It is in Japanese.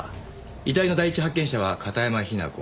遺体の第一発見者は片山雛子。